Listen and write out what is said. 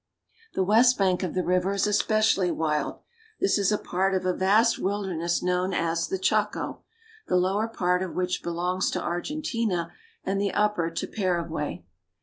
The west bank of the river is especially wild. This is a part of a vast wilderness known as the Chaco, the lower part of which belongs to Argentina, and the upper to Para guay.